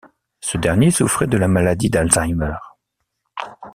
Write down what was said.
Ce dernier souffrait de la maladie d'Alzheimer.